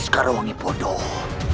sekarang aku bodoh